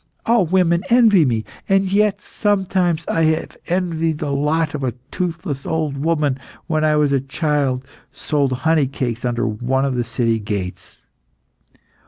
All women envy me, and yet sometimes I have envied the lot of a toothless old woman who, when I was a child, sold honey cakes under one of the city gates.